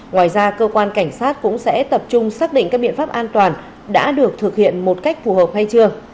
ngoài ra cơ quan cảnh sát cũng sẽ tập trung xác định các biện pháp an toàn đã được thực hiện một cách phù hợp hay chưa